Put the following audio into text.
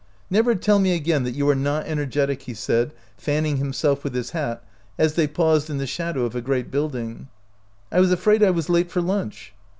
" Never tell me again that you are not energetic," he said, fanning himself with his hat as they paused in the shadow of a great building. " I was afraid I was late for lunch."